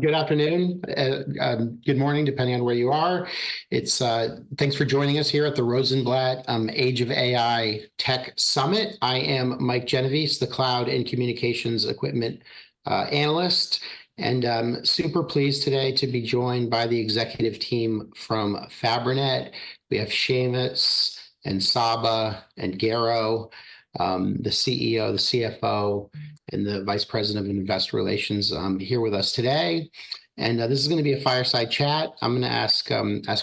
Good afternoon, good morning, depending on where you are. Thanks for joining us here at the Rosenblatt Age of AI Tech Summit. I am Mike Genovese, the Cloud and Communications Equipment Analyst, and super pleased today to be joined by the executive team from Fabrinet. We have Seamus, Csaba, and Garo, the CEO, the CFO, and the Vice President of Investor Relations, here with us today. And this is going to be a fireside chat. I'm going to ask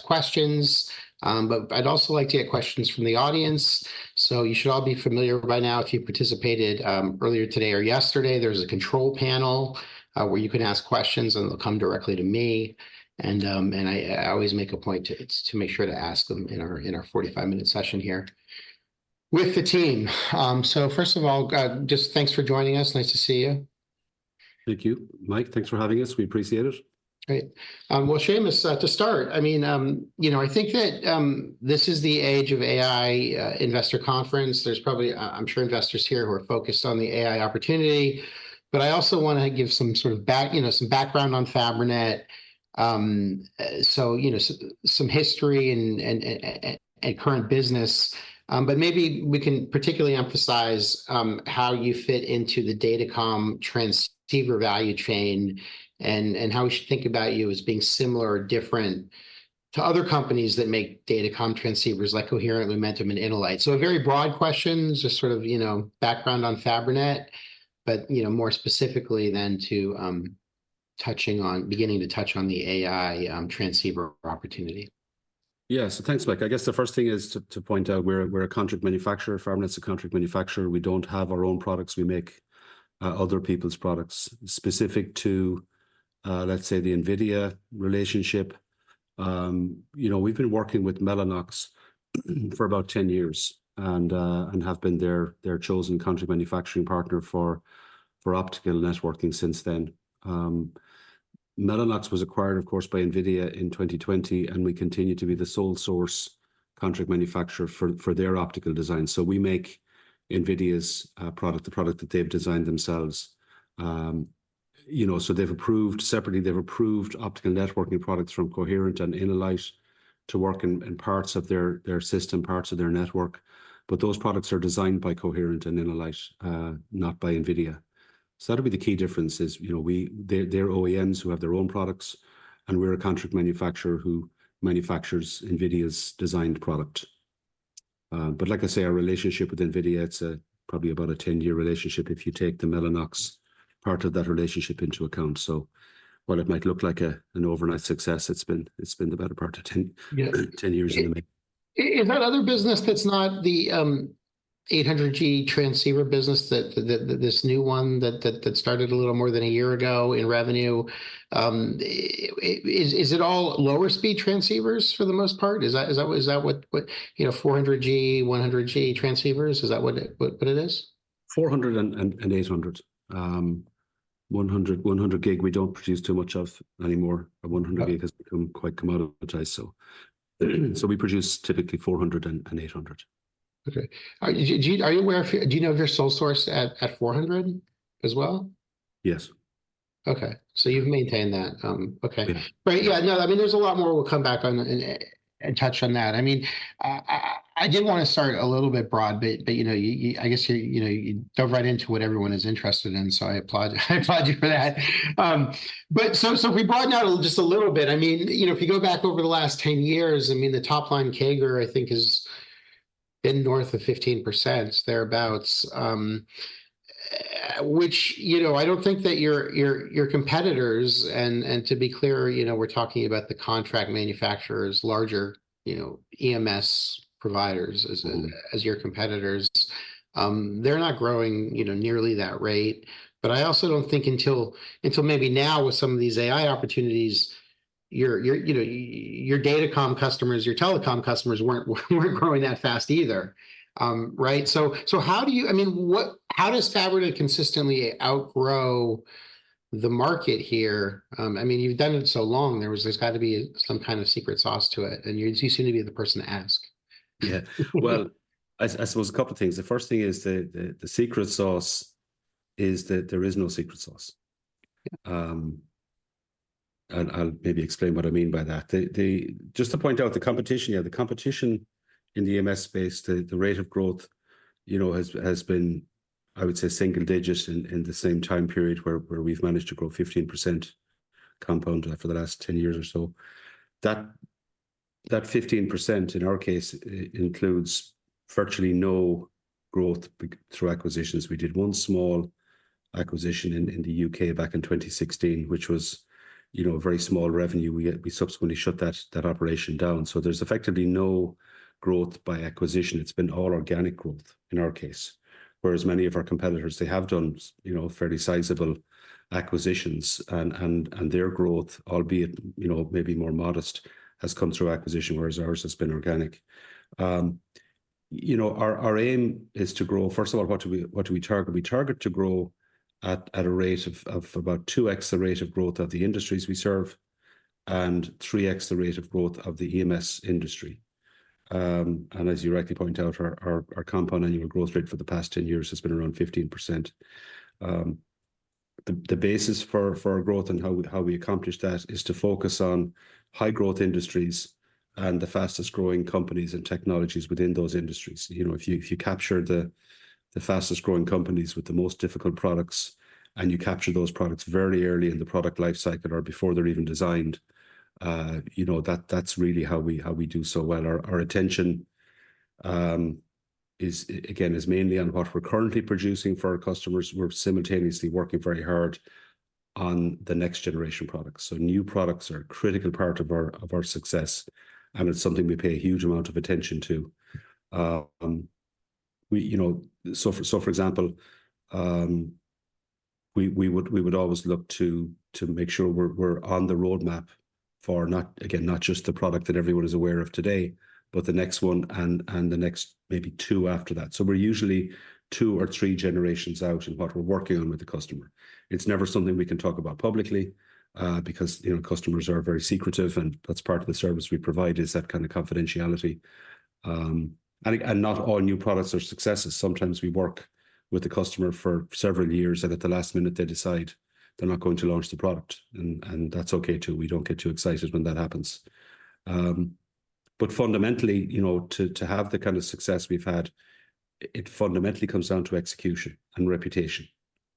questions, but I'd also like to get questions from the audience. So you should all be familiar by now, if you participated earlier today or yesterday, there's a control panel where you can ask questions, and they'll come directly to me. And I always make a point to make sure to ask them in our 45-minute session here with the team. So first of all, just thanks for joining us. Nice to see you. Thank you, Mike. Thanks for having us. We appreciate it. Great. Well, Seamus, to start, I mean, you know, I think that this is the Age of AI Investor Conference. There's probably, I'm sure, investors here who are focused on the AI opportunity. But I also want to give some sort of background on Fabrinet, so some history and current business. But maybe we can particularly emphasize how you fit into the datacom transceiver value chain and how we should think about you as being similar or different to other companies that make datacom transceivers like Coherent, Lumentum, and InnoLight. So very broad questions, just sort of background on Fabrinet, but more specifically then to beginning to touch on the AI transceiver opportunity. Yeah, so thanks, Mike. I guess the first thing is to point out we're a contract manufacturer. Fabrinet's a contract manufacturer. We don't have our own products. We make other people's products. Specific to, let's say, the NVIDIA relationship, we've been working with Mellanox for about 10 years and have been their chosen contract manufacturing partner for optical networking since then. Mellanox was acquired, of course, by NVIDIA in 2020, and we continue to be the sole source contract manufacturer for their optical design. So we make NVIDIA's product, the product that they've designed themselves. So separately, they've approved optical networking products from Coherent and InnoLight to work in parts of their system, parts of their network. But those products are designed by Coherent and InnoLight, not by NVIDIA. So that'll be the key difference is their OEMs who have their own products, and we're a contract manufacturer who manufactures NVIDIA's designed product. But like I say, our relationship with NVIDIA, it's probably about a 10-year relationship if you take the Mellanox part of that relationship into account. So while it might look like an overnight success, it's been the better part of 10 years in the making. Is that other business that's not the 800G transceiver business, this new one that started a little more than a year ago in revenue? Is it all lower speed transceivers for the most part? Is that what 400G, 100G transceivers? Is that what it is? 400 and 800. 100 gig, we don't produce too much of anymore. 100 gig has become quite commoditized. So we produce typically 400 and 800. Okay. Are you aware of, do you know if you're sole source at 400 as well? Yes. Okay. So you've maintained that. Okay. Right. Yeah. No, I mean, there's a lot more we'll come back on and touch on that. I mean, I did want to start a little bit broad, but I guess you dove right into what everyone is interested in, so I applaud you for that. But so if we broaden out just a little bit, I mean, if you go back over the last 10 years, I mean, the top line CAGR, I think, has been north of 15%, thereabouts, which I don't think that your competitors, and to be clear, we're talking about the contract manufacturers, larger EMS providers as your competitors, they're not growing nearly that rate. But I also don't think until maybe now with some of these AI opportunities, your datacom customers, your telecom customers weren't growing that fast either, right? So how do you, I mean, how does Fabrinet consistently outgrow the market here? I mean, you've done it so long. There's got to be some kind of secret sauce to it, and you seem to be the person to ask. Yeah. Well, I suppose a couple of things. The first thing is the secret sauce is that there is no secret sauce. I'll maybe explain what I mean by that. Just to point out the competition, yeah, the competition in the EMS space, the rate of growth has been, I would say, single digits in the same time period where we've managed to grow 15% compound for the last 10 years or so. That 15% in our case includes virtually no growth through acquisitions. We did one small acquisition in the U.K. back in 2016, which was a very small revenue. We subsequently shut that operation down. So there's effectively no growth by acquisition. It's been all organic growth in our case. Whereas many of our competitors, they have done fairly sizable acquisitions, and their growth, albeit maybe more modest, has come through acquisition, whereas ours has been organic. Our aim is to grow, first of all, what do we target? We target to grow at a rate of about 2x the rate of growth of the industries we serve and 3x the rate of growth of the EMS industry. And as you rightly point out, our compound annual growth rate for the past 10 years has been around 15%. The basis for our growth and how we accomplish that is to focus on high-growth industries and the fastest-growing companies and technologies within those industries. If you capture the fastest-growing companies with the most difficult products and you capture those products very early in the product lifecycle or before they're even designed, that's really how we do so well. Our attention, again, is mainly on what we're currently producing for our customers. We're simultaneously working very hard on the next-generation products. New products are a critical part of our success, and it's something we pay a huge amount of attention to. For example, we would always look to make sure we're on the roadmap for, again, not just the product that everyone is aware of today, but the next one and the next maybe two after that. We're usually two or three generations out in what we're working on with the customer. It's never something we can talk about publicly because customers are very secretive, and that's part of the service we provide is that kind of confidentiality. Not all new products are successes. Sometimes we work with the customer for several years, and at the last minute, they decide they're not going to launch the product. That's okay too. We don't get too excited when that happens. But fundamentally, to have the kind of success we've had, it fundamentally comes down to execution and reputation.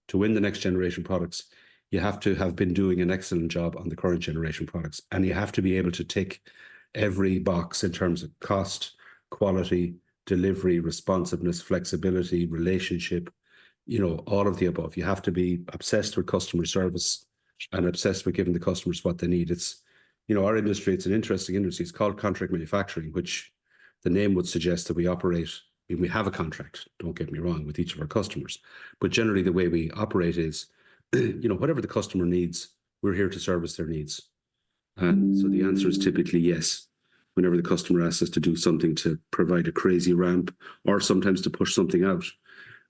To win the next generation products, you have to have been doing an excellent job on the current generation products, and you have to be able to tick every box in terms of cost, quality, delivery, responsiveness, flexibility, relationship, all of the above. You have to be obsessed with customer service and obsessed with giving the customers what they need. Our industry, it's an interesting industry. It's called contract manufacturing, which the name would suggest that we operate, and we have a contract, don't get me wrong, with each of our customers. But generally, the way we operate is whatever the customer needs, we're here to service their needs. The answer is typically yes whenever the customer asks us to do something to provide a crazy ramp or sometimes to push something out.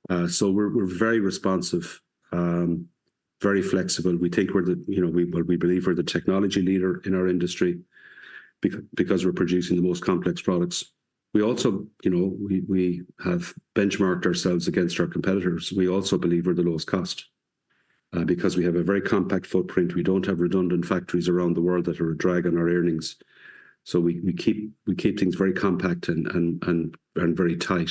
We're very responsive, very flexible. We think we're the, well, we believe we're the technology leader in our industry because we're producing the most complex products. We also have benchmarked ourselves against our competitors. We also believe we're the lowest cost because we have a very compact footprint. We don't have redundant factories around the world that are a drag on our earnings. We keep things very compact and very tight.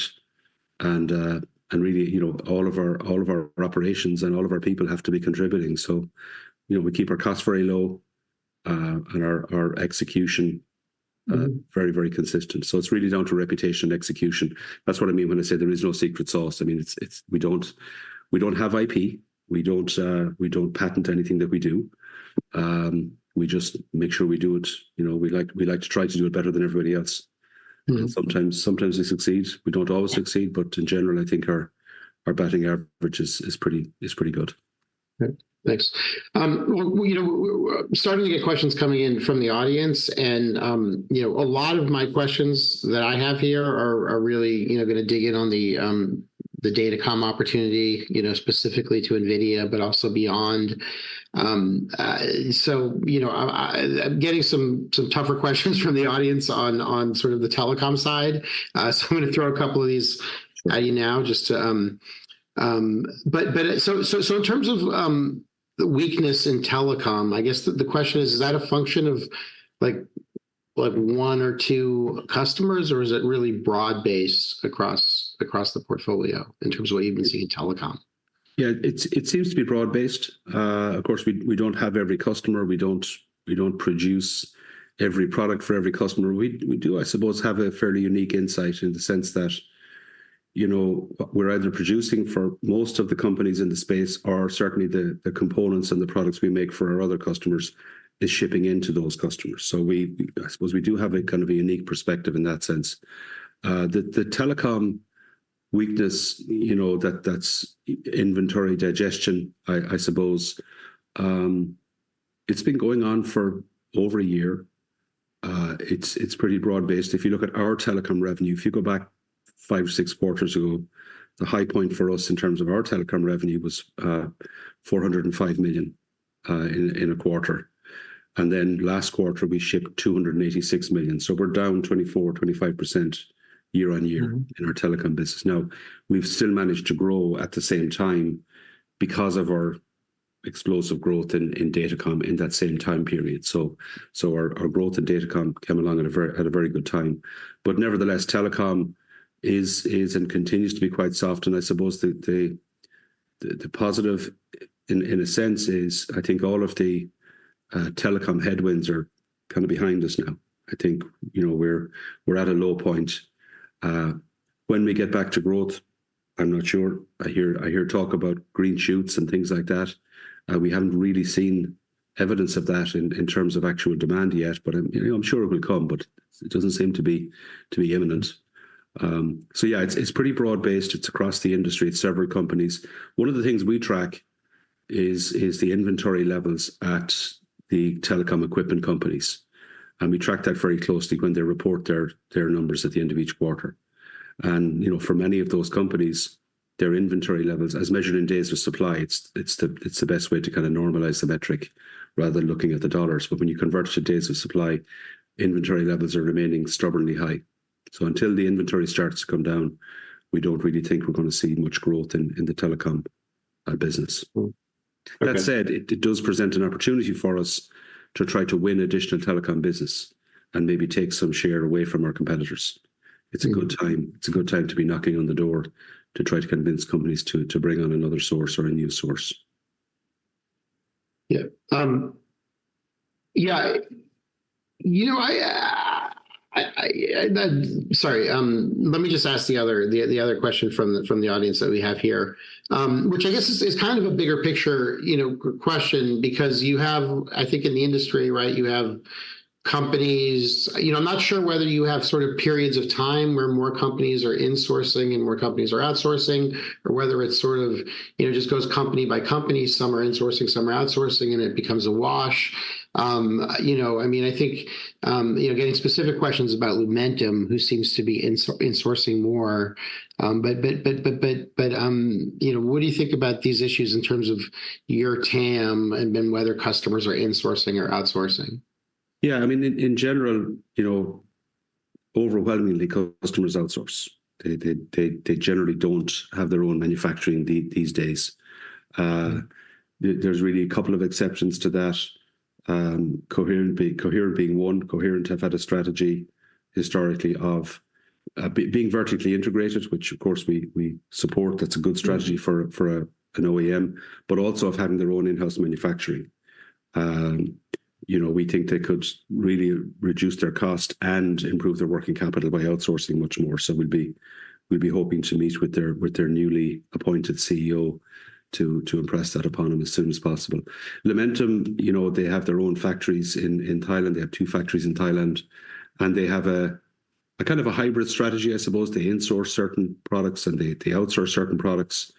Really, all of our operations and all of our people have to be contributing. We keep our costs very low and our execution very, very consistent. It's really down to reputation and execution. That's what I mean when I say there is no secret sauce. I mean, we don't have IP. We don't patent anything that we do. We just make sure we do it. We like to try to do it better than everybody else. And sometimes we succeed. We don't always succeed, but in general, I think our batting average is pretty good. Thanks. Starting to get questions coming in from the audience. A lot of my questions that I have here are really going to dig in on the datacom opportunity specifically to NVIDIA, but also beyond. I'm getting some tougher questions from the audience on sort of the telecom side. I'm going to throw a couple of these at you now, so in terms of weakness in telecom, I guess the question is, is that a function of one or two customers, or is it really broad-based across the portfolio in terms of what you've been seeing in telecom? Yeah, it seems to be broad-based. Of course, we don't have every customer. We don't produce every product for every customer. We do, I suppose, have a fairly unique insight in the sense that we're either producing for most of the companies in the space, or certainly the components and the products we make for our other customers is shipping into those customers. So I suppose we do have a kind of a unique perspective in that sense. The telecom weakness, that's inventory digestion, I suppose. It's been going on for over a year. It's pretty broad-based. If you look at our telecom revenue, if you go back five or six quarters ago, the high point for us in terms of our telecom revenue was $405 million in a quarter. And then last quarter, we shipped $286 million. So we're down 24%-25% year-on-year in our telecom business. Now, we've still managed to grow at the same time because of our explosive growth in datacom in that same time period. So our growth in datacom came along at a very good time. But nevertheless, telecom is and continues to be quite soft. And I suppose the positive in a sense is I think all of the telecom headwinds are kind of behind us now. I think we're at a low point. When we get back to growth, I'm not sure. I hear talk about green shoots and things like that. We haven't really seen evidence of that in terms of actual demand yet, but I'm sure it will come, but it doesn't seem to be imminent. So yeah, it's pretty broad-based. It's across the industry. It's several companies. One of the things we track is the inventory levels at the telecom equipment companies. We track that very closely when they report their numbers at the end of each quarter. For many of those companies, their inventory levels, as measured in days of supply, it's the best way to kind of normalize the metric rather than looking at the dollars. But when you convert to days of supply, inventory levels are remaining stubbornly high. Until the inventory starts to come down, we don't really think we're going to see much growth in the telecom business. That said, it does present an opportunity for us to try to win additional telecom business and maybe take some share away from our competitors. It's a good time to be knocking on the door to try to convince companies to bring on another source or a new source. Yeah. Yeah. Sorry. Let me just ask the other question from the audience that we have here, which I guess is kind of a bigger picture question because you have, I think in the industry, right, you have companies. I'm not sure whether you have sort of periods of time where more companies are insourcing and more companies are outsourcing, or whether it sort of just goes company by company. Some are insourcing, some are outsourcing, and it becomes a wash. I mean, I think getting specific questions about Lumentum, who seems to be insourcing more. But what do you think about these issues in terms of your TAM and then whether customers are insourcing or outsourcing? Yeah. I mean, in general, overwhelmingly, customers outsource. They generally don't have their own manufacturing these days. There's really a couple of exceptions to that. Coherent being one, Coherent have had a strategy historically of being vertically integrated, which of course we support. That's a good strategy for an OEM, but also of having their own in-house manufacturing. We think they could really reduce their cost and improve their working capital by outsourcing much more. So we'll be hoping to meet with their newly appointed CEO to impress that upon them as soon as possible. Lumentum, they have their own factories in Thailand. They have two factories in Thailand. And they have a kind of a hybrid strategy, I suppose. They insource certain products and they outsource certain products.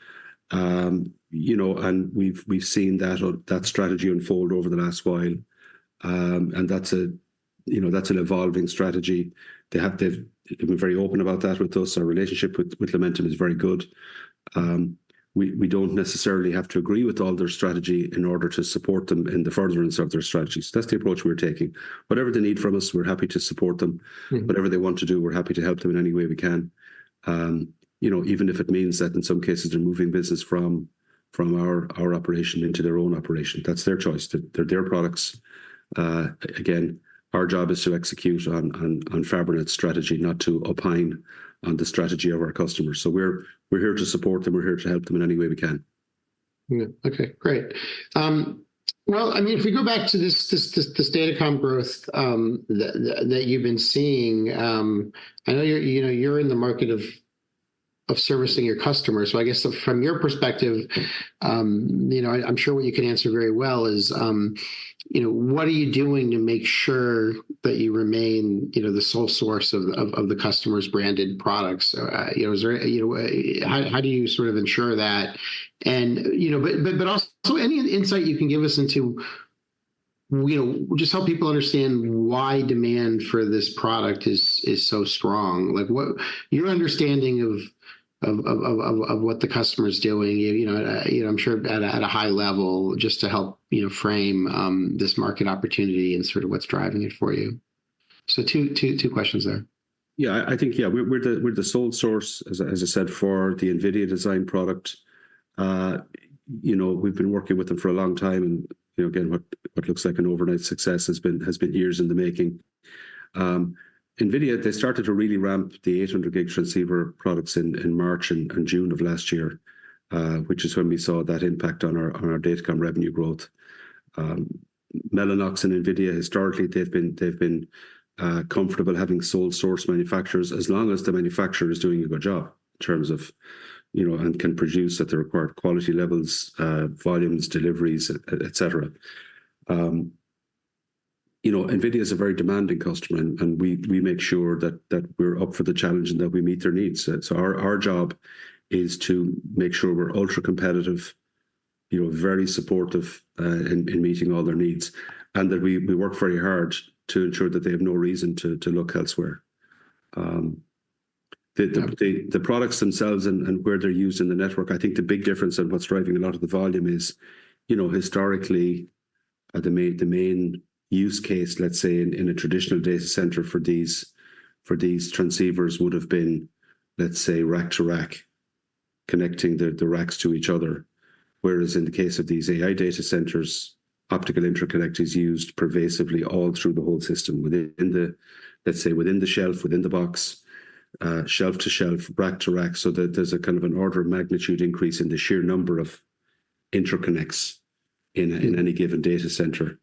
And we've seen that strategy unfold over the last while. And that's an evolving strategy. They've been very open about that with us. Our relationship with Lumentum is very good. We don't necessarily have to agree with all their strategy in order to support them in the furtherance of their strategy. So that's the approach we're taking. Whatever they need from us, we're happy to support them. Whatever they want to do, we're happy to help them in any way we can, even if it means that in some cases they're moving business from our operation into their own operation. That's their choice. They're their products. Again, our job is to execute on Fabrinet's strategy, not to opine on the strategy of our customers. So we're here to support them. We're here to help them in any way we can. Yeah. Okay. Great. Well, I mean, if we go back to this datacom growth that you've been seeing, I know you're in the market of servicing your customers. So I guess from your perspective, I'm sure what you can answer very well is what are you doing to make sure that you remain the sole source of the customer's branded products? How do you sort of ensure that? But also any insight you can give us into just help people understand why demand for this product is so strong. Your understanding of what the customer is doing, I'm sure at a high level, just to help frame this market opportunity and sort of what's driving it for you. So two questions there. Yeah. I think, yeah, we're the sole source, as I said, for the NVIDIA design product. We've been working with them for a long time. And again, what looks like an overnight success has been years in the making. NVIDIA, they started to really ramp the 800 gig transceiver products in March and June of last year, which is when we saw that impact on our datacom revenue growth. Mellanox and NVIDIA, historically, they've been comfortable having sole source manufacturers as long as the manufacturer is doing a good job in terms of and can produce at the required quality levels, volumes, deliveries, etc. NVIDIA is a very demanding customer, and we make sure that we're up for the challenge and that we meet their needs. So our job is to make sure we're ultra competitive, very supportive in meeting all their needs, and that we work very hard to ensure that they have no reason to look elsewhere. The products themselves and where they're used in the network, I think the big difference and what's driving a lot of the volume is historically, the main use case, let's say, in a traditional data center for these transceivers would have been, let's say, rack to rack, connecting the racks to each other. Whereas in the case of these AI data centers, optical interconnect is used pervasively all through the whole system within, let's say, within the shelf, within the box, shelf to shelf, rack to rack. So there's a kind of an order of magnitude increase in the sheer number of interconnects in any given data center,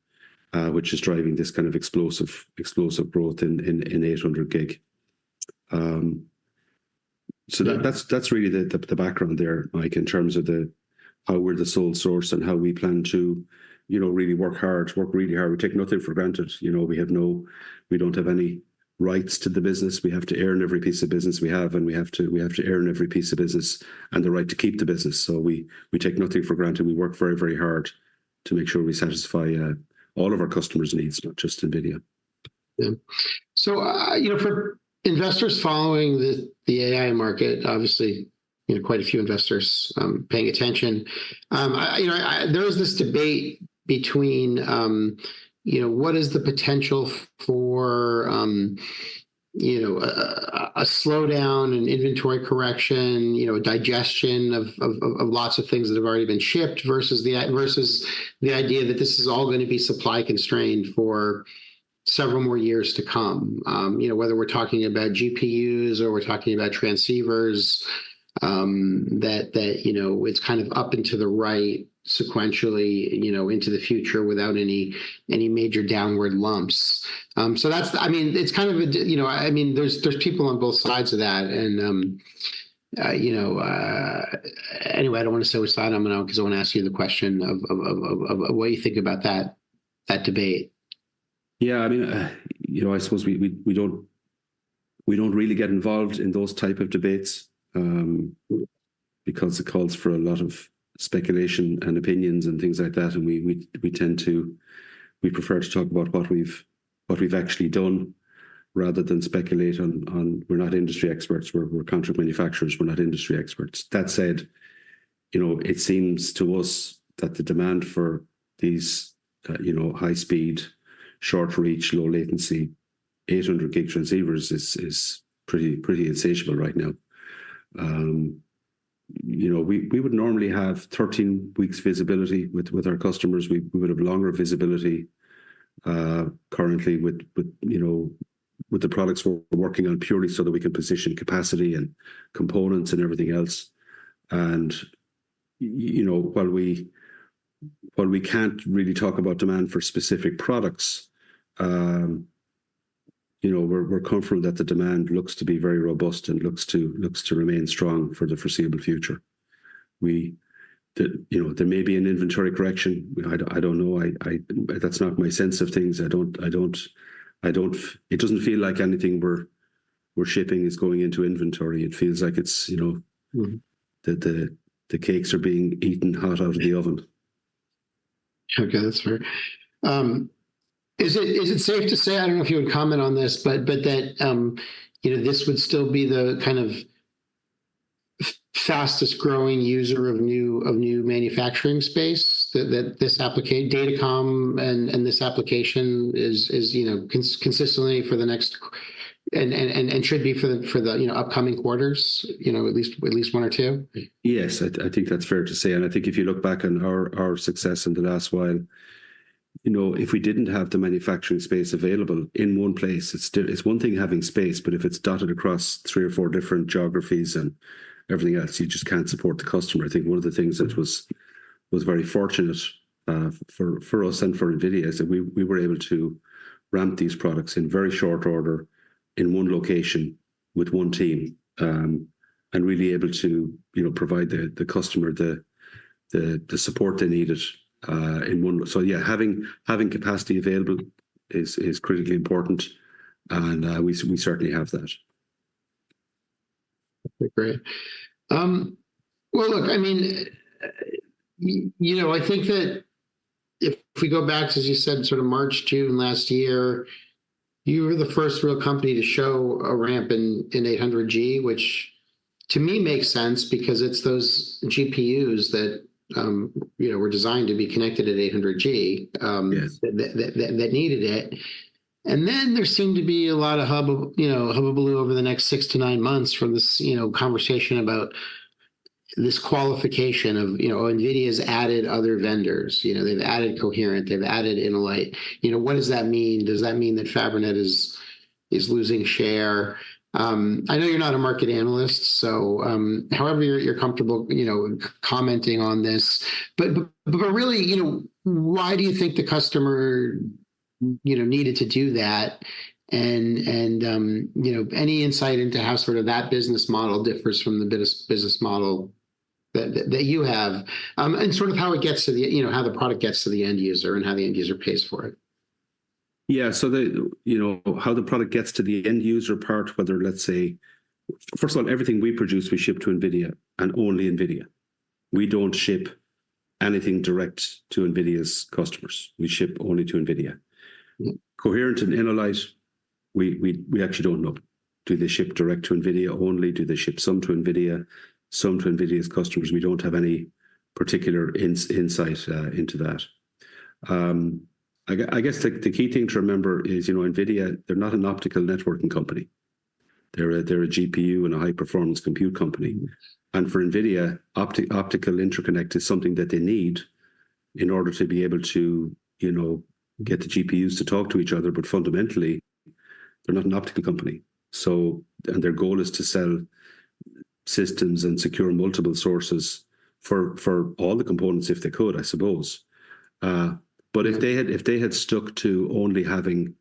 which is driving this kind of explosive growth in 800 gig. So that's really the background there, Mike, in terms of how we're the sole source and how we plan to really work hard, work really hard. We take nothing for granted. We don't have any rights to the business. We have to earn every piece of business we have, and we have to earn every piece of business and the right to keep the business. So we take nothing for granted. We work very, very hard to make sure we satisfy all of our customers' needs, not just NVIDIA. Yeah. So for investors following the AI market, obviously, quite a few investors paying attention. There is this debate between what is the potential for a slowdown, an inventory correction, a digestion of lots of things that have already been shipped versus the idea that this is all going to be supply constrained for several more years to come. Whether we're talking about GPUs or we're talking about transceivers, that it's kind of up into the right sequentially into the future without any major downward lumps. So I mean, it's kind of a, I mean, there's people on both sides of that. And anyway, I don't want to say what side I'm on because I want to ask you the question of what you think about that debate. Yeah. I mean, I suppose we don't really get involved in those type of debates because it calls for a lot of speculation and opinions and things like that. And we tend to, we prefer to talk about what we've actually done rather than speculate on. We're not industry experts. We're contract manufacturers. We're not industry experts. That said, it seems to us that the demand for these high-speed, short-reach, low-latency 800 gig transceivers is pretty insatiable right now. We would normally have 13 weeks visibility with our customers. We would have longer visibility currently with the products we're working on purely so that we can position capacity and components and everything else. And while we can't really talk about demand for specific products, we're confident that the demand looks to be very robust and looks to remain strong for the foreseeable future. There may be an inventory correction. I don't know. That's not my sense of things. It doesn't feel like anything we're shipping is going into inventory. It feels like the cakes are being eaten hot out of the oven. Okay. That's fair. Is it safe to say, I don't know if you would comment on this, but that this would still be the kind of fastest growing user of new manufacturing space, that this datacom and this application is consistently for the next and should be for the upcoming quarters, at least one or two? Yes. I think that's fair to say. And I think if you look back on our success in the last while, if we didn't have the manufacturing space available in one place, it's one thing having space, but if it's dotted across three or four different geographies and everything else, you just can't support the customer. I think one of the things that was very fortunate for us and for NVIDIA is that we were able to ramp these products in very short order in one location with one team and really able to provide the customer the support they needed in one. So yeah, having capacity available is critically important. And we certainly have that. Okay. Great. Well, look, I mean, I think that if we go back, as you said, sort of March, June last year, you were the first real company to show a ramp in 800G, which to me makes sense because it's those GPUs that were designed to be connected at 800G that needed it. And then there seemed to be a lot of hullabaloo over the next six to nine months from this conversation about this qualification of NVIDIA's added other vendors. They've added Coherent. They've added InnoLight. What does that mean? Does that mean that Fabrinet is losing share? I know you're not a market analyst, so however you're comfortable commenting on this. But really, why do you think the customer needed to do that? Any insight into how sort of that business model differs from the business model that you have and sort of how the product gets to the end user and how the end user pays for it? Yeah. So how the product gets to the end user part, whether, let's say, first of all, everything we produce, we ship to NVIDIA and only NVIDIA. We don't ship anything direct to NVIDIA's customers. We ship only to NVIDIA. Coherent and InnoLight, we actually don't know. Do they ship direct to NVIDIA only? Do they ship some to NVIDIA? Some to NVIDIA's customers? We don't have any particular insight into that. I guess the key thing to remember is NVIDIA, they're not an optical networking company. They're a GPU and a high-performance compute company. And for NVIDIA, optical interconnect is something that they need in order to be able to get the GPUs to talk to each other. But fundamentally, they're not an optical company. And their goal is to sell systems and secure multiple sources for all the components if they could, I suppose. But if they had stuck to only having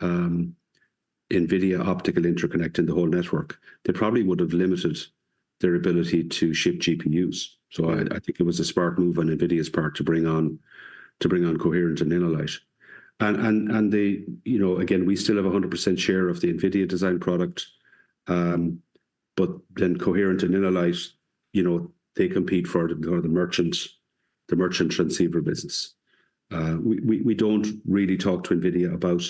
NVIDIA optical interconnect in the whole network, they probably would have limited their ability to ship GPUs. So I think it was a smart move on NVIDIA's part to bring on Coherent and InnoLight. And again, we still have a 100% share of the NVIDIA design product. But then Coherent and InnoLight, they compete for the merchant transceiver business. We don't really talk to NVIDIA about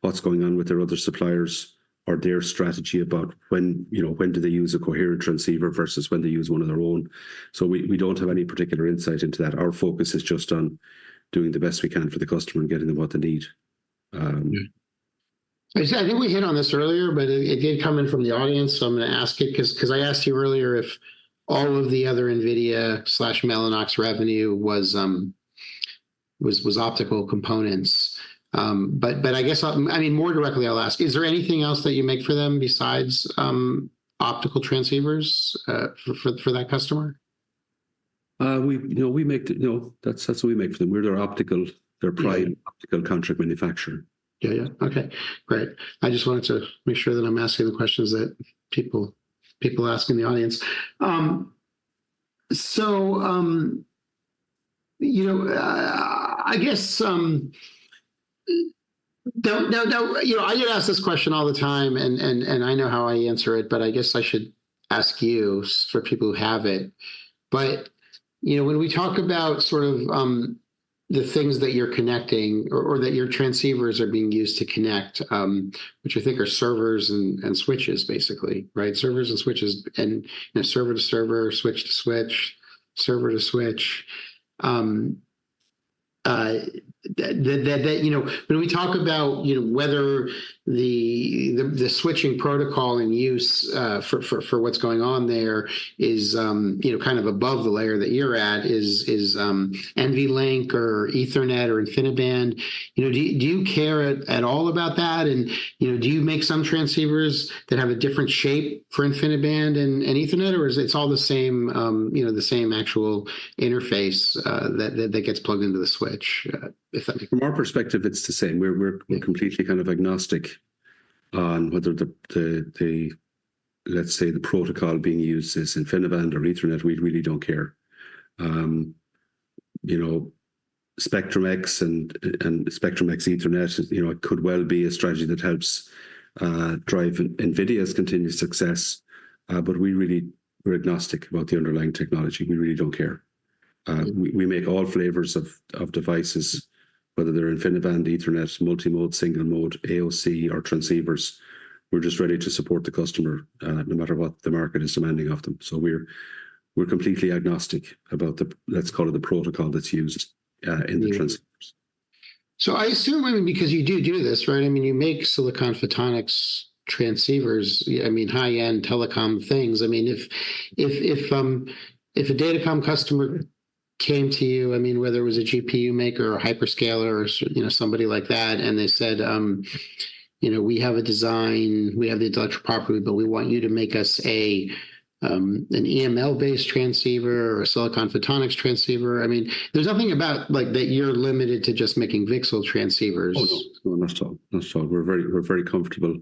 what's going on with their other suppliers or their strategy about when do they use a Coherent transceiver versus when they use one of their own. So we don't have any particular insight into that. Our focus is just on doing the best we can for the customer and getting them what they need. I think we hit on this earlier, but it did come in from the audience. So I'm going to ask it because I asked you earlier if all of the other NVIDIA/Mellanox revenue was optical components. But I guess, I mean, more directly, I'll ask, is there anything else that you make for them besides optical transceivers for that customer? We make. That's what we make for them. We're their optical, their prime optical contract manufacturer. Yeah. Yeah. Okay. Great. I just wanted to make sure that I'm asking the questions that people ask in the audience. So I guess I get asked this question all the time, and I know how I answer it, but I guess I should ask you for people who have it. But when we talk about sort of the things that you're connecting or that your transceivers are being used to connect, which I think are servers and switches, basically, right? Servers and switches, and server to server, switch to switch, server to switch. When we talk about whether the switching protocol in use for what's going on there is kind of above the layer that you're at, is NVLink or Ethernet or InfiniBand? Do you care at all about that? Do you make some transceivers that have a different shape for InfiniBand and Ethernet, or it's all the same, the same actual interface that gets plugged into the switch, if that makes sense? From our perspective, it's the same. We're completely kind of agnostic on whether the, let's say, the protocol being used is InfiniBand or Ethernet. We really don't care. Spectrum-X and Spectrum-X Ethernet could well be a strategy that helps drive NVIDIA's continued success. But we really are agnostic about the underlying technology. We really don't care. We make all flavors of devices, whether they're InfiniBand, Ethernet, multi-mode, single-mode, AOC, or transceivers. We're just ready to support the customer no matter what the market is demanding of them. So we're completely agnostic about, let's call it, the protocol that's used in the transceivers. So I assume, I mean, because you do do this, right? I mean, you make silicon photonics transceivers, I mean, high-end telecom things. I mean, if a datacom customer came to you, I mean, whether it was a GPU maker or hyperscaler or somebody like that, and they said, "We have a design. We have the intellectual property, but we want you to make us an EML-based transceiver or a silicon photonics transceiver." I mean, there's nothing about that you're limited to just making VCSEL transceivers. Oh, no. No, not at all. We're very comfortable.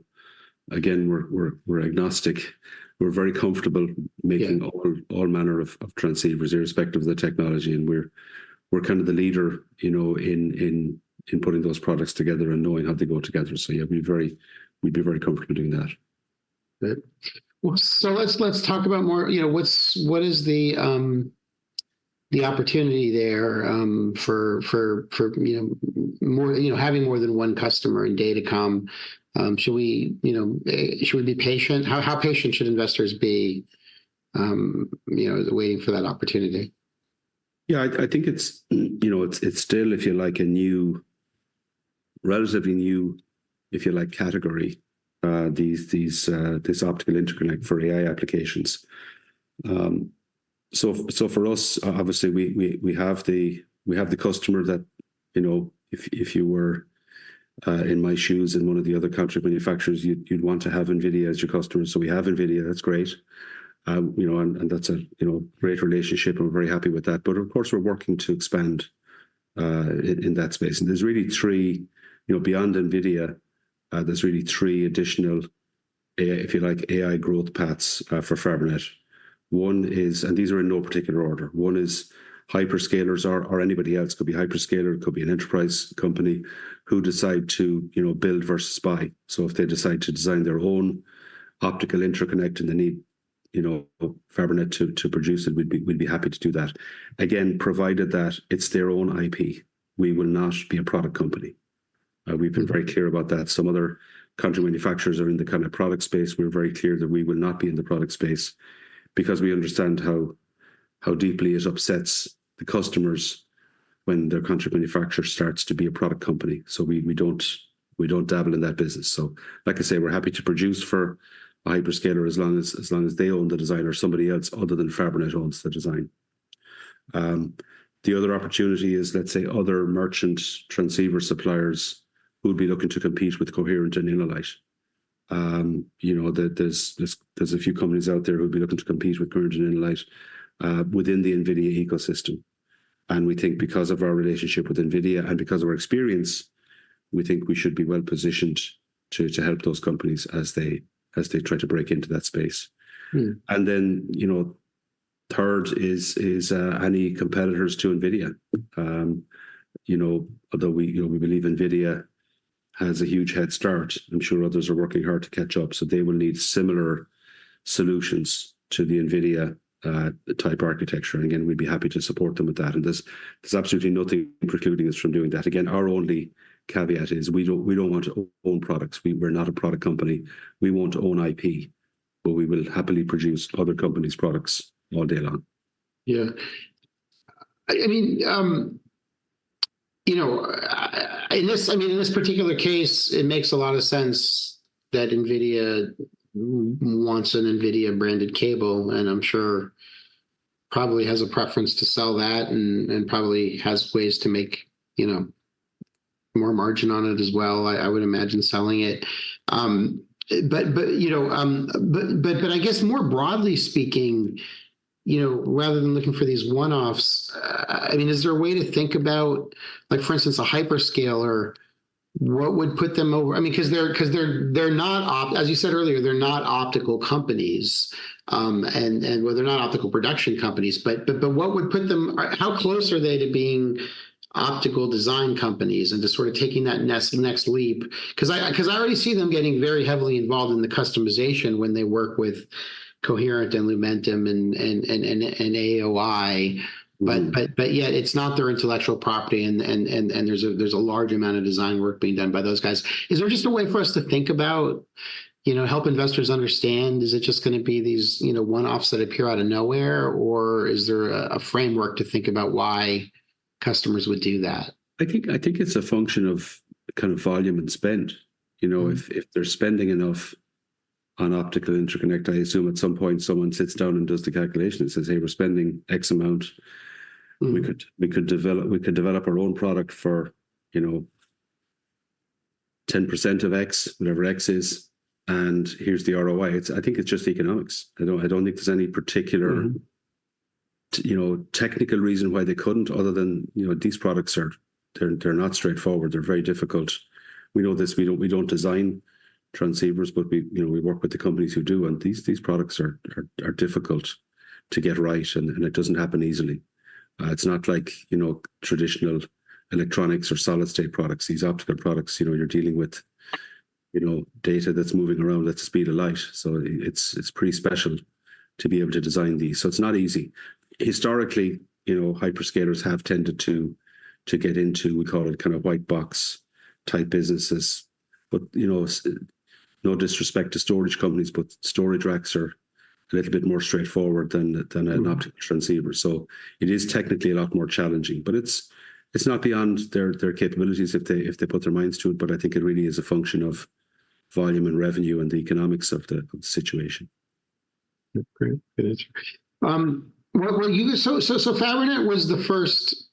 Again, we're agnostic. We're very comfortable making all manner of transceivers irrespective of the technology. And we're kind of the leader in putting those products together and knowing how they go together. So yeah, we'd be very comfortable doing that. Great. So let's talk about more. What is the opportunity there for having more than one customer in datacom? Should we be patient? How patient should investors be waiting for that opportunity? Yeah. I think it's still, if you like, a relatively new, if you like, category, this optical interconnect for AI applications. So for us, obviously, we have the customer that if you were in my shoes in one of the other contract manufacturers, you'd want to have NVIDIA as your customer. So we have NVIDIA. That's great. And that's a great relationship. We're very happy with that. But of course, we're working to expand in that space. And there's really three, beyond NVIDIA, there's really three additional, if you like, AI growth paths for Fabrinet. And these are in no particular order. One is hyperscalers or anybody else could be hyperscaler, could be an enterprise company who decide to build versus buy. So if they decide to design their own optical interconnect and they need Fabrinet to produce it, we'd be happy to do that. Again, provided that it's their own IP, we will not be a product company. We've been very clear about that. Some other contract manufacturers are in the kind of product space. We're very clear that we will not be in the product space because we understand how deeply it upsets the customers when their contract manufacturer starts to be a product company. So we don't dabble in that business. So like I say, we're happy to produce for a hyperscaler as long as they own the design or somebody else other than Fabrinet owns the design. The other opportunity is, let's say, other merchant transceiver suppliers who would be looking to compete with Coherent and InnoLight. There's a few companies out there who would be looking to compete with Coherent and InnoLight within the NVIDIA ecosystem. And we think because of our relationship with NVIDIA and because of our experience, we think we should be well positioned to help those companies as they try to break into that space. And then third is any competitors to NVIDIA. Although we believe NVIDIA has a huge head start, I'm sure others are working hard to catch up. So they will need similar solutions to the NVIDIA-type architecture. And again, we'd be happy to support them with that. And there's absolutely nothing precluding us from doing that. Again, our only caveat is we don't want to own products. We're not a product company. We won't own IP, but we will happily produce other companies' products all day long. Yeah. I mean, I mean, in this particular case, it makes a lot of sense that NVIDIA wants an NVIDIA-branded cable. And I'm sure probably has a preference to sell that and probably has ways to make more margin on it as well, I would imagine, selling it. But I guess more broadly speaking, rather than looking for these one-offs, I mean, is there a way to think about, for instance, a hyperscaler, what would put them over? I mean, because they're not, as you said earlier, they're not optical companies. And well, they're not optical production companies. But what would put them? How close are they to being optical design companies and to sort of taking that next leap? Because I already see them getting very heavily involved in the customization when they work with Coherent and Lumentum and AAOI. But yet, it's not their intellectual property. There's a large amount of design work being done by those guys. Is there just a way for us to think about help investors understand? Is it just going to be these one-offs that appear out of nowhere, or is there a framework to think about why customers would do that? I think it's a function of kind of volume and spend. If they're spending enough on optical interconnect, I assume at some point someone sits down and does the calculation and says, "Hey, we're spending X amount. We could develop our own product for 10% of X, whatever X is, and here's the ROI." I think it's just economics. I don't think there's any particular technical reason why they couldn't other than these products are not straightforward. They're very difficult. We know this. We don't design transceivers, but we work with the companies who do. And these products are difficult to get right, and it doesn't happen easily. It's not like traditional electronics or solid-state products. These optical products, you're dealing with data that's moving around at the speed of light. So it's pretty special to be able to design these. So it's not easy. Historically, hyperscalers have tended to get into, we call it, kind of white-box type businesses. But no disrespect to storage companies, but storage racks are a little bit more straightforward than an optical transceiver. So it is technically a lot more challenging, but it's not beyond their capabilities if they put their minds to it. But I think it really is a function of volume and revenue and the economics of the situation. Great. Good answer. Well, so Fabrinet was the first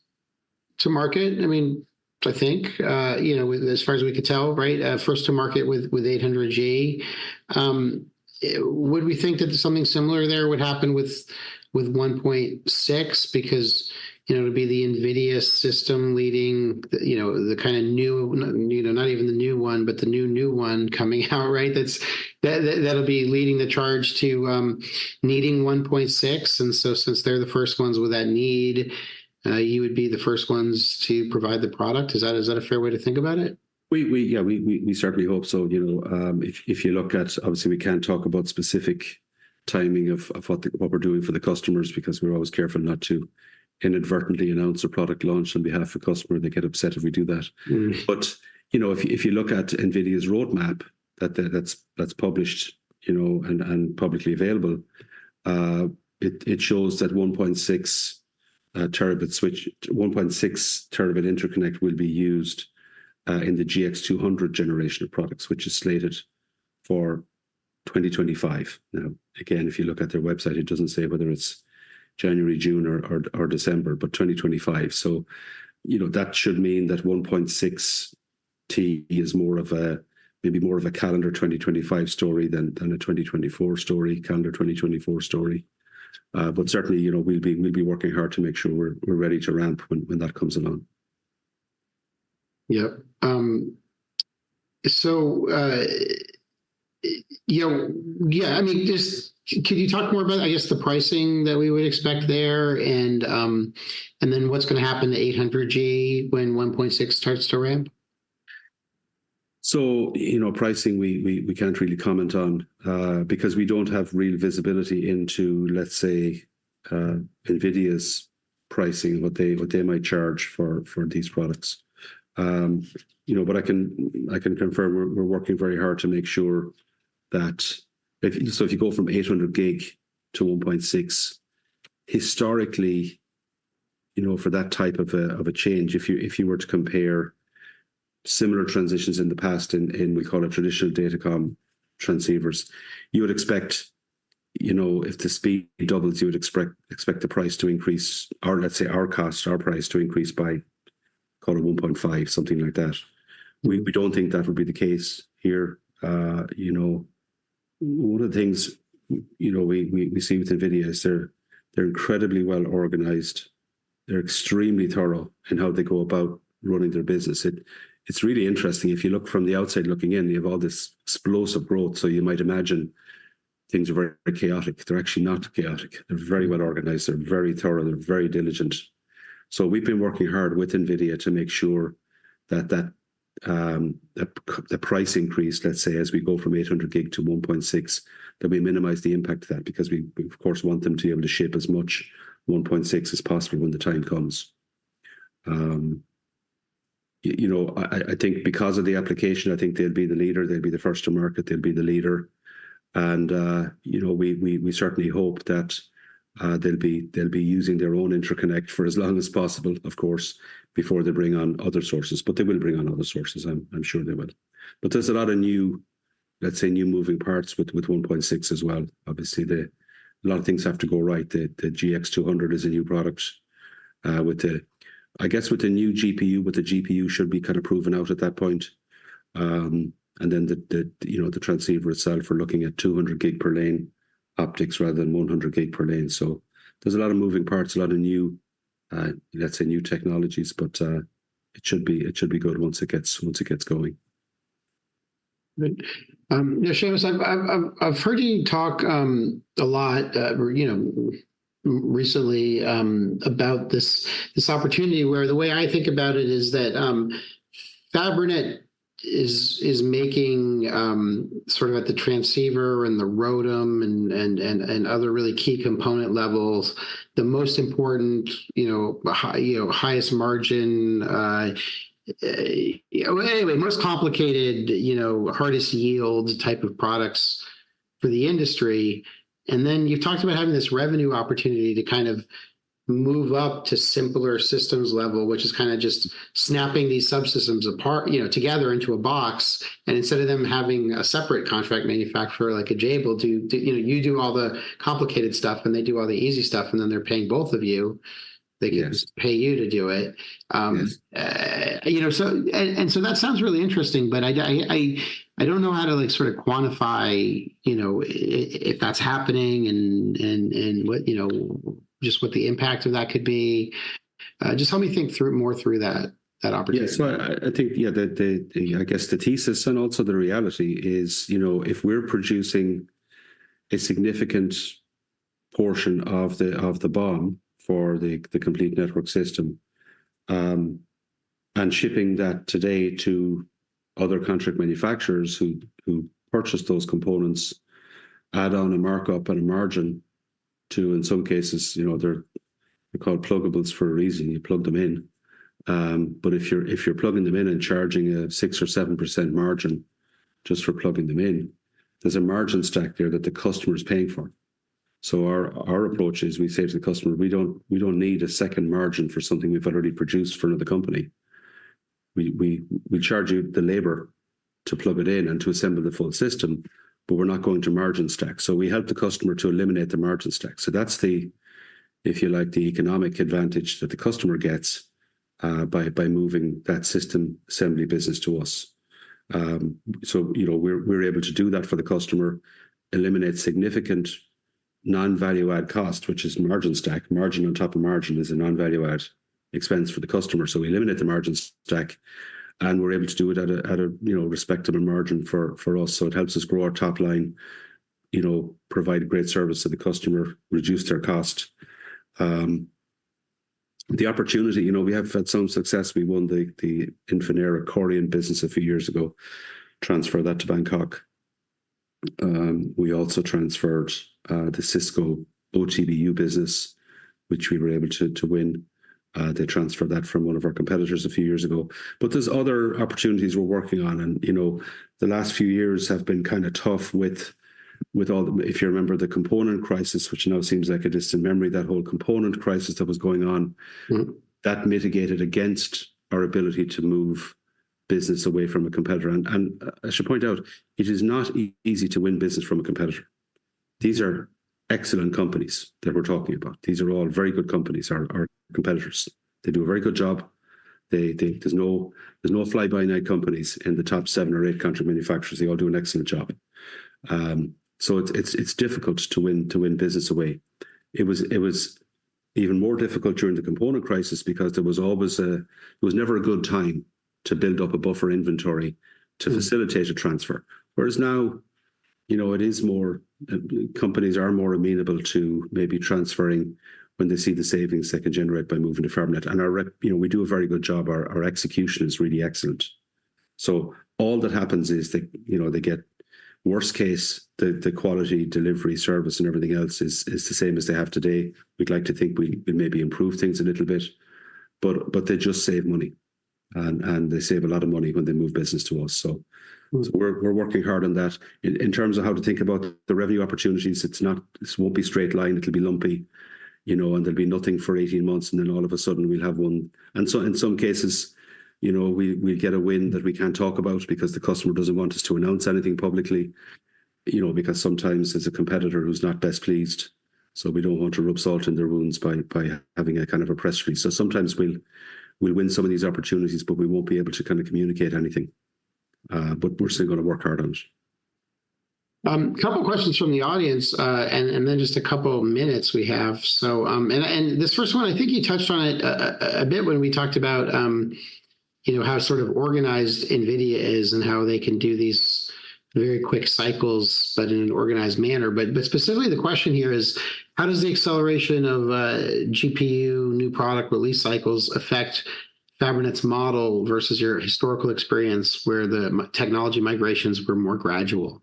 to market, I mean, I think, as far as we could tell, right? First to market with 800G. Would we think that something similar there would happen with 1.6 because it would be the NVIDIA system leading the kind of new, not even the new one, but the new, new one coming out, right? That'll be leading the charge to needing 1.6. And so since they're the first ones with that need, you would be the first ones to provide the product. Is that a fair way to think about it? Yeah. We certainly hope so. If you look at, obviously, we can't talk about specific timing of what we're doing for the customers because we're always careful not to inadvertently announce a product launch on behalf of a customer. They get upset if we do that. But if you look at NVIDIA's roadmap that's published and publicly available, it shows that 1.6 terabit switch, 1.6 terabit interconnect will be used in the GX200 generation of products, which is slated for 2025. Now, again, if you look at their website, it doesn't say whether it's January, June, or December, but 2025. So that should mean that 1.6T is more of a, maybe more of a calendar 2025 story than a 2024 story, calendar 2024 story. But certainly, we'll be working hard to make sure we're ready to ramp when that comes along. Yep. So yeah, I mean, could you talk more about, I guess, the pricing that we would expect there and then what's going to happen to 800G when 1.6 starts to ramp? So pricing, we can't really comment on because we don't have real visibility into, let's say, NVIDIA's pricing, what they might charge for these products. But I can confirm we're working very hard to make sure that so if you go from 800G to 1.6, historically, for that type of a change, if you were to compare similar transitions in the past in, we call it, traditional datacom transceivers, you would expect if the speed doubles, you would expect the price to increase, or let's say our cost, our price to increase by, call it, 1.5, something like that. We don't think that would be the case here. One of the things we see with NVIDIA is they're incredibly well organized. They're extremely thorough in how they go about running their business. It's really interesting. If you look from the outside looking in, you have all this explosive growth. So you might imagine things are very chaotic. They're actually not chaotic. They're very well organized. They're very thorough. They're very diligent. So we've been working hard with NVIDIA to make sure that the price increase, let's say, as we go from 800G to 1.6, that we minimize the impact of that because we, of course, want them to be able to ship as much 1.6 as possible when the time comes. I think because of the application, I think they'll be the leader. They'll be the first to market. They'll be the leader. And we certainly hope that they'll be using their own interconnect for as long as possible, of course, before they bring on other sources. But they will bring on other sources. I'm sure they will. But there's a lot of new, let's say, new moving parts with 1.6 as well. Obviously, a lot of things have to go right. The GX200 is a new product. I guess with the new GPU, but the GPU should be kind of proven out at that point. And then the transceiver itself, we're looking at 200G per lane optics rather than 100G per lane. So there's a lot of moving parts, a lot of new, let's say, new technologies, but it should be good once it gets going. Great. Yeah, Seamus, I've heard you talk a lot recently about this opportunity where the way I think about it is that Fabrinet is making sort of at the transceiver and the ROADM and other really key component levels, the most important, highest margin, anyway, most complicated, hardest yield type of products for the industry. And then you've talked about having this revenue opportunity to kind of move up to simpler systems level, which is kind of just snapping these subsystems together into a box. And instead of them having a separate contract manufacturer like a Jabil, you do all the complicated stuff, and they do all the easy stuff, and then they're paying both of you. They can pay you to do it. And so that sounds really interesting, but I don't know how to sort of quantify if that's happening and just what the impact of that could be. Just help me think more through that opportunity. Yeah. So I think, yeah, I guess the thesis and also the reality is if we're producing a significant portion of the BOM for the complete network system and shipping that today to other contract manufacturers who purchase those components, add on a markup and a margin to, in some cases, they're called pluggables for a reason. You plug them in. But if you're plugging them in and charging a 6%-7% margin just for plugging them in, there's a margin stack there that the customer is paying for. So our approach is we say to the customer, "We don't need a second margin for something we've already produced for another company. We charge you the labor to plug it in and to assemble the full system, but we're not going to margin stack." So we help the customer to eliminate the margin stack. So that's, if you like, the economic advantage that the customer gets by moving that system assembly business to us. So we're able to do that for the customer, eliminate significant non-value-add cost, which is margin stack. Margin on top of margin is a non-value-add expense for the customer. So we eliminate the margin stack, and we're able to do it at a respectable margin for us. So it helps us grow our top line, provide great service to the customer, reduce their cost. The opportunity, we have had some success. We won the Infinera Coriant business a few years ago, transferred that to Bangkok. We also transferred the Cisco OTBU business, which we were able to win. They transferred that from one of our competitors a few years ago. But there's other opportunities we're working on. And the last few years have been kind of tough with, if you remember, the component crisis, which now seems like a distant memory, that whole component crisis that was going on, that mitigated against our ability to move business away from a competitor. And I should point out, it is not easy to win business from a competitor. These are excellent companies that we're talking about. These are all very good companies, our competitors. They do a very good job. There's no fly-by-night companies in the top seven or eight contract manufacturers. They all do an excellent job. So it's difficult to win business away. It was even more difficult during the component crisis because there was always a, it was never a good time to build up a buffer inventory to facilitate a transfer. Whereas now, it is more companies are more amenable to maybe transferring when they see the savings that can generate by moving to Fabrinet. And we do a very good job. Our execution is really excellent. So all that happens is they get, worst case, the quality delivery service and everything else is the same as they have today. We'd like to think we maybe improve things a little bit, but they just save money. And they save a lot of money when they move business to us. So we're working hard on that. In terms of how to think about the revenue opportunities, it won't be straight line. It'll be lumpy, and there'll be nothing for 18 months, and then all of a sudden, we'll have one. And so in some cases, we'll get a win that we can't talk about because the customer doesn't want us to announce anything publicly because sometimes there's a competitor who's not best pleased. So we don't want to rub salt in their wounds by having a kind of a press release. So sometimes we'll win some of these opportunities, but we won't be able to kind of communicate anything. But we're still going to work hard on it. Couple of questions from the audience, and then just a couple of minutes we have. This first one, I think you touched on it a bit when we talked about how sort of organized NVIDIA is and how they can do these very quick cycles, but in an organized manner. But specifically, the question here is, how does the acceleration of GPU new product release cycles affect Fabrinet's model versus your historical experience where the technology migrations were more gradual?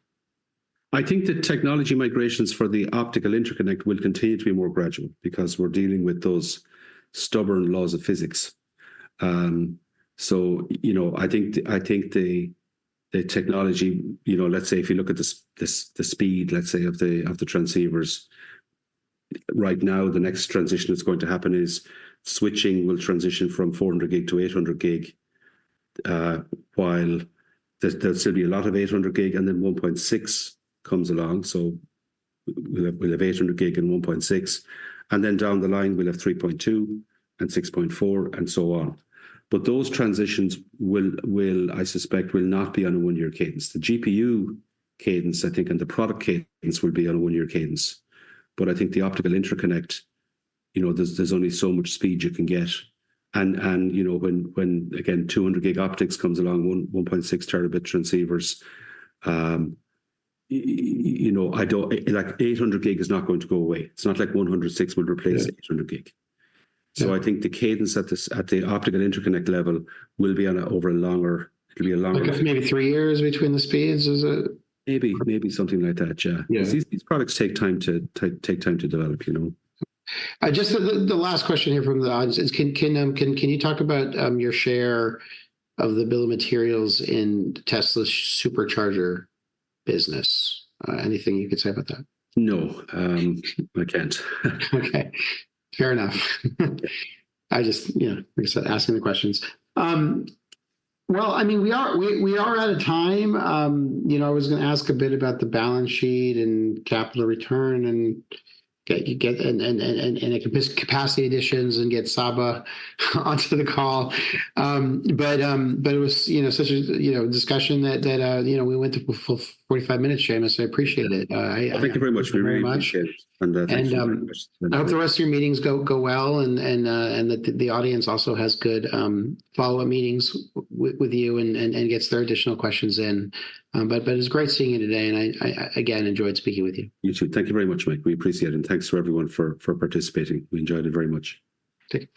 I think the technology migrations for the optical interconnect will continue to be more gradual because we're dealing with those stubborn laws of physics. So I think the technology, let's say, if you look at the speed, let's say, of the transceivers, right now, the next transition that's going to happen is switching will transition from 400 gig to 800 gig, while there'll still be a lot of 800 gig, and then 1.6 comes along. So we'll have 800 gig and 1.6. And then down the line, we'll have 3.2 and 6.4 and so on. But those transitions, I suspect, will not be on a 1-year cadence. The GPU cadence, I think, and the product cadence will be on a 1-year cadence. But I think the optical interconnect, there's only so much speed you can get. And ag ain, 200 gig optics comes along, 1.6 terabit transceivers. 800 gig is not going to go away. It's not like 1.6 would replace 800 gig. So I think the cadence at the optical interconnect level will be over a longer. It'll be a longer. Maybe three years between the speeds? Maybe something like that, yeah. These products take time to develop. Just the last question here from the audience is, can you talk about your share of the bill of materials in Tesla's Supercharger business? Anything you could say about that? No, I can't. Okay. Fair enough. I just, like I said, asking the questions. Well, I mean, we are at a time. I was going to ask a bit about the balance sheet and capital return and any capacity additions and get Csaba onto the call. But it was such a discussion that we went to full 45 minutes, Seamus. I appreciate it. Thank you very much. We really appreciate it. I hope the rest of your meetings go well and that the audience also has good follow-up meetings with you and gets their additional questions in. But it was great seeing you today. I, again, enjoyed speaking with you. You too. Thank you very much, Mike. We appreciate it. Thanks for everyone for participating. We enjoyed it very much. Thanks.